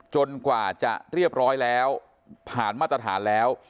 กว่าจะเรียบร้อยแล้วผ่านมาตรฐานแล้ว